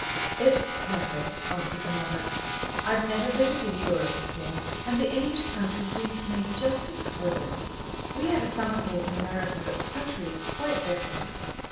"It's perfect," answered the mother. "I've never visited Europe before, and the English country seems to me just exquisite. We have a summer place in America, but the country is quite different."